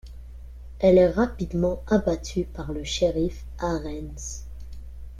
Elle est rapidement abattue par le shérif Arens.